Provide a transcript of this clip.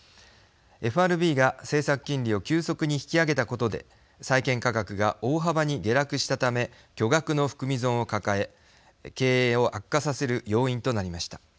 ＦＲＢが政策金利を急速に引き上げたことで債券価格が大幅に下落したため巨額の含み損を抱え経営を悪化させる要因となりました。